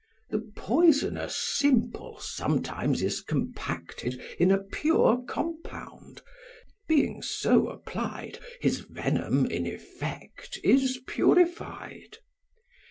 The poisonous simple sometimes is compacted In a pure compound; being so applied, His venom in effect is purified.